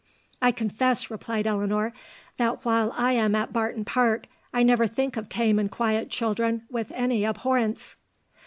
"'I confess,' replied Elinor, 'that while I am at Barton Park I never think of tame and quiet children with any abhorrence!